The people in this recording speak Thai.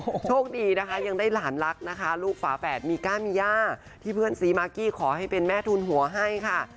โอ้โหโชคดีนะคะยังได้หลานรักนะคะลูกฝาแฝดมีก้ามีย่าที่เพื่อนซีมากกี้ขอให้เป็นแม่ทุนหัวให้ค่ะ